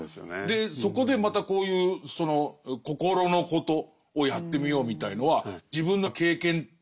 そこでまたこういう心のことをやってみようみたいのは自分の経験とかを突き詰めていく。